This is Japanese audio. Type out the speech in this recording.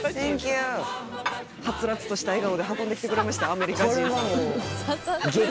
はつらつとした笑顔で運んできてくれましたアメリカ人さん。